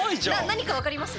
何か分かります？